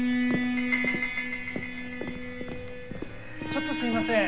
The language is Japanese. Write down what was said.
ちょっとすいません。